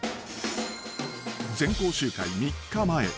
［全校集会３日前］